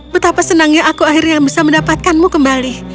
betapa senangnya aku akhirnya bisa mendapatkanmu kembali